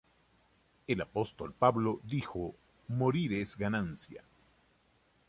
El apóstol Pablo dijo: 'morir es ganancia'.